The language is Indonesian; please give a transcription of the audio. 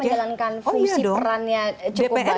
menjalankan fungsi perannya cukup baik